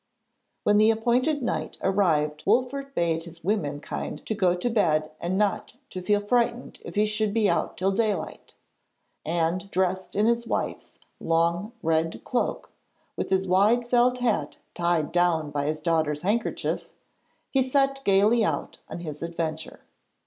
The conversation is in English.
When the appointed night arrived Wolfert bade his women kind go to bed and not to feel frightened if he should be out till daylight; and dressed in his wife's long, red cloak, with his wide felt hat tied down by his daughter's handkerchief, he set gaily out on his adventure.